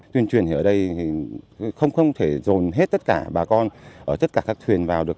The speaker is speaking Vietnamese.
thuyền truyền ở đây không thể dồn hết tất cả bà con ở tất cả các thuyền vào được